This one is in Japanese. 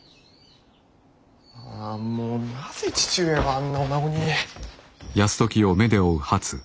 ああもうなぜ父上はあんな女子に。